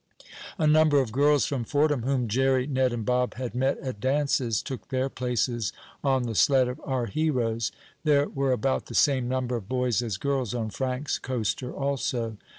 A number of girls from Fordham, whom Jerry, Ned and Bob had met at dances, took their places on the sled of our heroes. There were about the same number of boys as girls on Frank's coaster also.